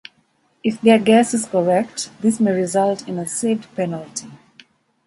If their guess is correct, this may result in a saved penalty.